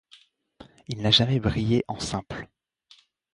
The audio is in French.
Il n'a jamais brillé en simple.